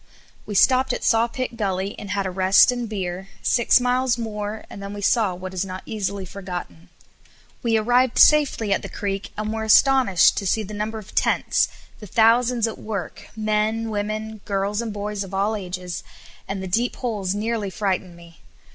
We stopped at Sawpit Gully and had a rest and beer, six miles more and then we saw what is not easily forgotten. We arrived safely at the creek, and were astonished to see the number of tents, the thousands at work, men, women, girls, and boys of all ages, and the deep holes nearly frightened me.